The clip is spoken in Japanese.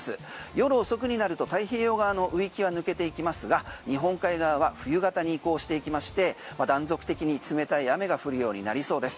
夜遅くになると太平洋側の雨域は抜けていきますが日本海側は冬型に移行していきまして断続的に冷たい雨が降るようになりそうです。